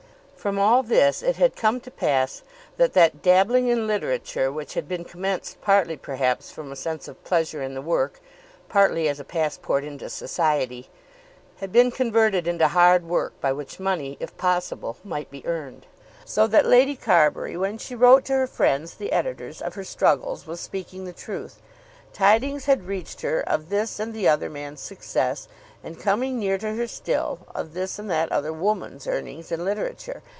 From all this it had come to pass that that dabbling in literature which had been commenced partly perhaps from a sense of pleasure in the work, partly as a passport into society, had been converted into hard work by which money if possible might be earned. So that Lady Carbury when she wrote to her friends, the editors, of her struggles was speaking the truth. Tidings had reached her of this and the other man's success, and, coming near to her still, of this and that other woman's earnings in literature.